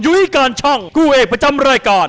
ยุ้ยการช่องคู่เอกประจำรายการ